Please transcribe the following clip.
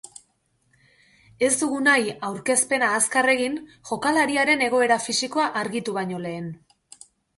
Ez dugu nahi aurkezpena azkar egin jokalariaren egoera fisikoa argitu baino lehen.